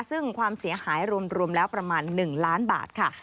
ซึ่งความเสียหายรวมแล้วประมาณ๑ล้านบาทค่ะ